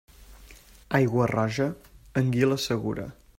Aigua roja? Anguila segura.